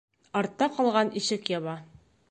Артта ҡалған ишек яба.